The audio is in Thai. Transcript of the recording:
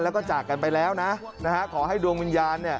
และก็มีการกินยาละลายริ่มเลือดแล้วก็ยาละลายขายมันมาเลยตลอดครับ